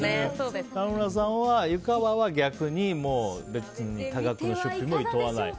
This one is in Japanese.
沢村さん、湯川は別に多額の出費もいとわないと。